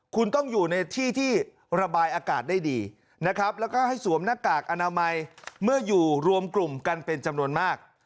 คุณต้องอยู่ในที่ที่ระบายอากาศได้ดีนะครับแล้วก็ให้สวมหน้ากากอนามัยเมื่ออยู่รวมกลุ่มกันเป็นจำนวนมาก